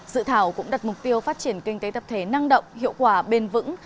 dự thảo cũng đặt mục tiêu phát triển kinh tế tập thể năng động hiệu quả bền vững